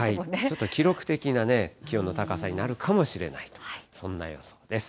ちょっと記録的な気温の高さになるかもしれないと、そんな予想です。